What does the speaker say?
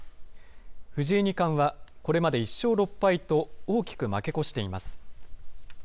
藤井二冠はこれまで１勝６敗と、大きく負け越しています。